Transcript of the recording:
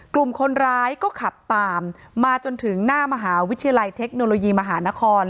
กลุ่มคนร้ายก็ขับตามมาจนถึงหน้ามหาวิทยาลัยเทคโนโลยีมหานคร